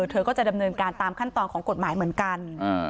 เธอก็จะดำเนินการตามขั้นตอนของกฎหมายเหมือนกัน